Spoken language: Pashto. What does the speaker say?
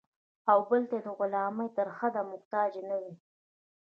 او بل ته د غلامۍ تر حده محتاج نه وي.